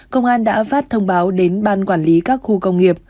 công an đã phát thông báo đến ban quản lý các khu công nghiệp